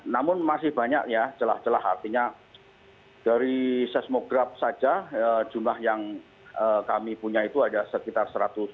namun masih banyak ya celah celah artinya dari seismograf saja jumlah yang kami punya itu hanya sekitar satu ratus tujuh puluh